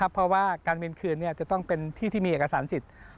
เพราะว่าการเวียนคืนจะต้องเป็นที่ที่มีเอกสารสิทธิ์